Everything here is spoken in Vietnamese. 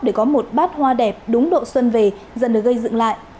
để có một bát hoa đẹp đúng độ xuân về dần được gây dựng lại